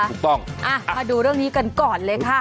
ถูกต้องอ่ะดูเรื่องนี้กันก่อนเลยค่ะอ่ะอ่ะดูเรื่องนี้กันก่อนเลยค่ะ